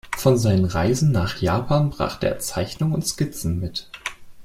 Von seinen Reisen nach Japan brachte er Zeichnungen und Skizzen mit.